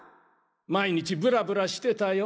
毎日ブラブラしてたよ。